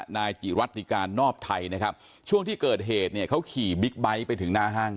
นายจิรัติการนอบไทยนะครับช่วงที่เกิดเหตุเนี่ยเขาขี่บิ๊กไบท์ไปถึงหน้าห้าง